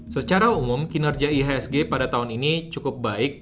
secara umum kinerja ihsg pada tahun ini cukup baik